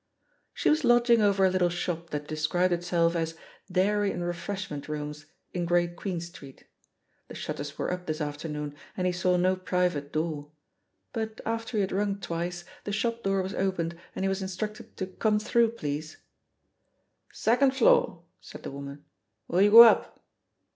She was lodging over a little shop that de scribed itself as "Dairy and Refreshment Rooms," in Great Queen Street. The shutters were up this afternoon, and he saw no private door; but after he had rung twice, the shop [THE POSITION OF PEGGY HARPER 08 3oor was opened and he was instructed to '^Come through, please." "Second floor/* said the woman. "Will you go up."